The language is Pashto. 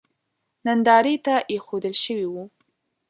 نندارې ته اېښودل شوی و.